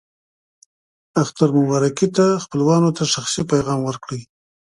اختر مبارکي ته خپلوانو ته شخصي پیغام ورکړئ.